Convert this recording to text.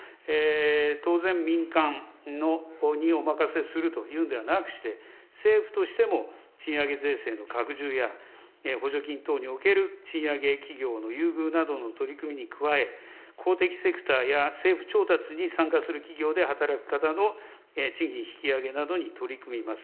当然、民間の、にお任せするんではなくして、政府としても賃上げ税制の拡充や、補助金等における賃上げ企業の優遇などの取り組みに加え、公的セクターや政府調達に参加する企業で働く方の賃金引き上げなどに取り組みます。